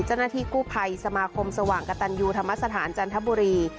เจ้าหน้าที่กู้ภัยสมาคมสว่างกระตันยูธรรมสถานจันทบุรี